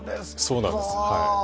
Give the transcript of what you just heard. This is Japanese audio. そうなんですはい。